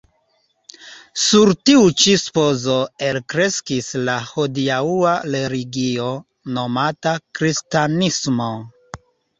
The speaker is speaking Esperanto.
Sur tiu ĉi supozo elkreskis la hodiaŭa religio, nomata kristanismo.